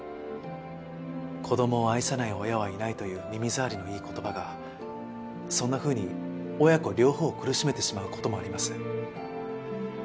「子どもを愛さない親はいない」という耳ざわりのいい言葉がそんなふうに親子両方を苦しめてしまう事もあります。